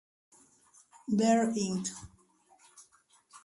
There Inc.